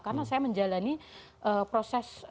karena saya menjalani proses